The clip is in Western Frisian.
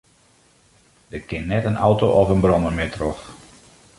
Der kin net in auto of in brommer mear troch.